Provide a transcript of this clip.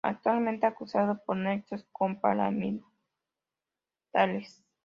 Actualmente acusado por nexos con paramilitares.